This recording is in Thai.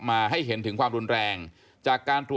ส่วนที่เหลือก็จะสืบสวนว่าเข้าข่ายเข้าไปร่วมทำร้ายร่างกายหรือไม่